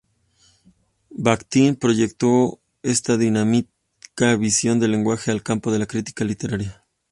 Bajtín proyectó esta dinámica visión del lenguaje al campo de la crítica literaria.